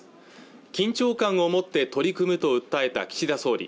緊張感をもって取り組むと訴えた岸田総理